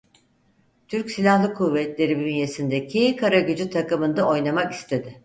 Türk Silahlı Kuvvetleri bünyesindeki Karagücü takımında oynamak istedi.